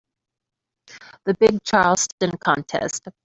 The big Charleston contest.